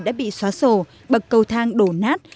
đã bị xóa sổ bậc cầu thang đổ nát